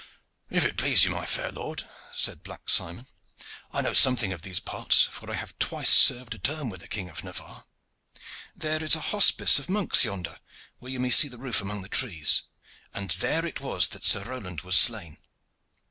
"If it please you, my fair lord," said Black Simon, "I know something of these parts, for I have twice served a term with the King of Navarre. There is a hospice of monks yonder, where you may see the roof among the trees, and there it was that Sir Roland was slain.